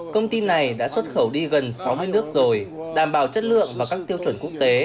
công ty này đã xuất khẩu đi gần sáu mươi nước rồi đảm bảo chất lượng và các tiêu chuẩn quốc tế